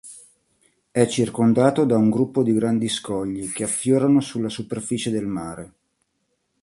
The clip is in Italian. È circondato da un gruppo di grandi scogli che affiorano sulla superficie del mare.